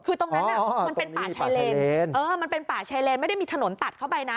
คือตรงนั้นมันเป็นป่าชายเลนไม่ได้มีถนนตัดเข้าไปนะ